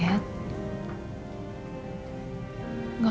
apaan improving dicera